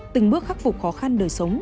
từng bước khắc phục khó khăn đời sống